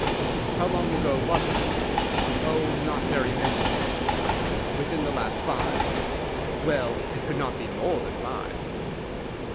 "'How long ago was it?' "'Oh, not very many minutes.' "'Within the last five?' "'Well, it could not be more than five.